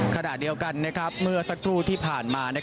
ขณะเดียวกันเมื่อสักครู่ที่ผ่านมา